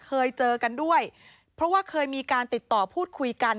เคยเจอกันด้วยเพราะว่าเคยมีการติดต่อพูดคุยกัน